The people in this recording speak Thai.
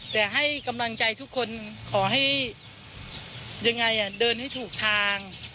แต่ให้กำลังใจทุกคนขอให้ยังไงเดินให้ถูกทาง